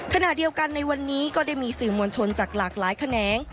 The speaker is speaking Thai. ขณะเดียวกันในวันนี้ก็ได้มีสื่อมวลชนจากหลากหลายแขนง